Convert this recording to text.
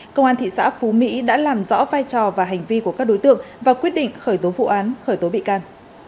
công an thị xã phú mỹ đã làm rõ vai trò và hành vi của các đối tượng và quyết định khởi tố vụ án khởi tố bị can